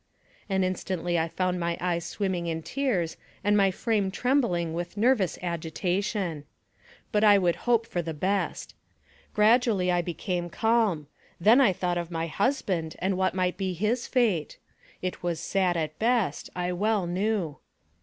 and instantly I found my eyes swimming in tears and my frame trembling with nervous agitation. But I would hone for the AMONG THE SIOUX INDIANS. 157 best. Gradually I became calm ; then I thought of my husband, and what might be his fate. It was sad at best, I well knew.